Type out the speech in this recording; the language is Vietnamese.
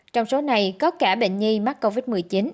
trong số này có cả bệnh nhi mắc covid một mươi chín